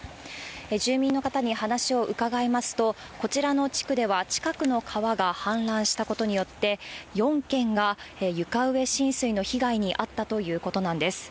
住民の方に話を伺いますと、こちらの地区では、近くの川が氾濫したことによって、４軒が床上浸水の被害に遭ったということなんです。